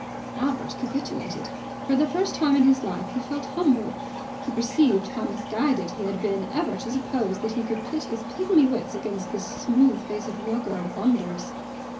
Albert capitulated. For the first time in his life he felt humble. He perceived how misguided he had been ever to suppose that he could pit his pigmy wits against this smooth faced worker of wonders.